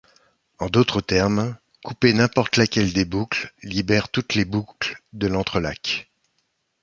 En d'autres termes, couper n'importe laquelle des boucles libère toutes les boucles de l'entrelacs.